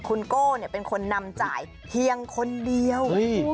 คุณโก้เป็นคนนำจ่ายเพียงคนเดียว